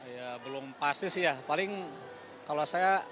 ya belum pasti sih ya paling kalau saya